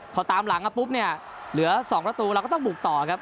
พอตามหลังมาปุ๊บเนี่ยเหลือ๒ประตูเราก็ต้องบุกต่อครับ